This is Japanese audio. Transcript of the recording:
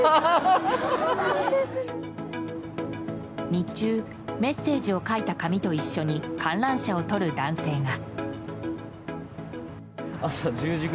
日中メッセージを書いた紙と一緒に観覧車を撮る男性が。